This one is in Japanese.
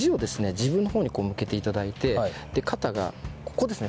自分の方に向けていただいて肩がここですね。